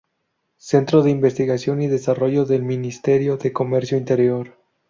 Centro de Investigación y Desarrollo del Ministerio de Comercio Interior.